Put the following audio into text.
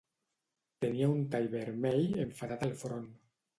Tenia un tall vermell enfadat al front.